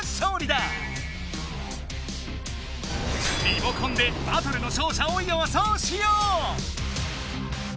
リモコンでバトルの勝者をよそうしよう！